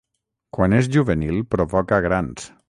Quan és juvenil provoca grans.